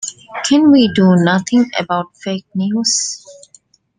Can we do nothing about fake news?